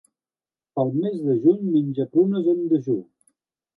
Pel mes de juny menja prunes en dejú.